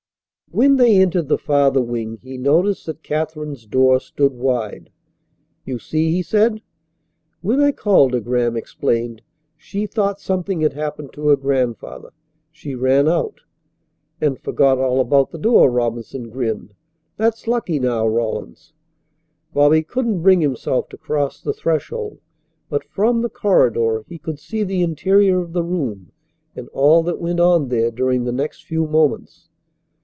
When they entered the farther wing he noticed that Katherine's door stood wide. "You see," he said. "When I called her," Graham explained, "she thought something had happened to her grandfather. She ran out." "And forgot all about the door," Robinson grinned. "That's lucky. Now, Rawlins." Bobby couldn't bring himself to cross the threshold, but from the corridor he could see the interior of the room and all that went on there during the next few moments.